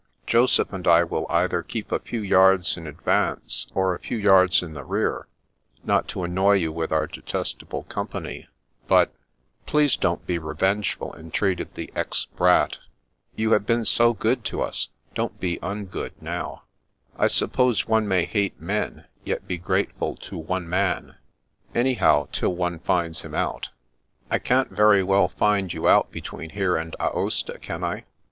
Joseph and I will either keep a few yards in advance, or a few yards in the rear, not to annoy you with our detestable company, but "" Please don't be revengeful," entreated the ex Brat. " You have been so good to us, don't be un good now. I suppose one may hate men, yet be grateful to one man — anyhow, till one finds him out ? I can't very well find you out between here and Aosta, can I